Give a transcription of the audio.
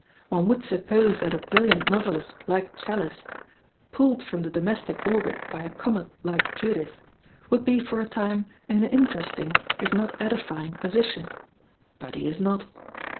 One would suppose that a brilliant novelist, like Challis, pulled from the domestic orbit by a comet like Judith, would be for a time in an interesting, if not an edifying, position; but he is not.